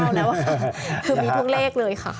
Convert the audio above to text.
คือมีทุกเลขเลยค่ะ